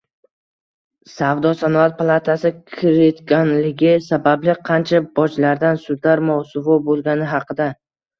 Savdo-sanoat palatasi kiritganligi sababli qancha bojlardan sudlar mosuvo bo‘lgani haqida